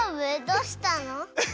どうしたの？